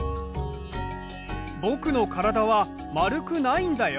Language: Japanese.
僕の体は丸くないんだよ。